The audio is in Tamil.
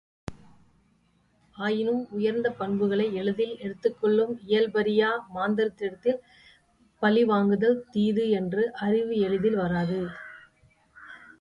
ஆயினும் உயர்ந்த பண்புகளை எளிதில் எடுத்துக்கொள்ளும் இயல்பறியா மாந்தரிடத்தில் பழி வாங்குதல் தீது என்ற அறிவு எளிதில் வராது.